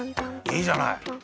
いいじゃない。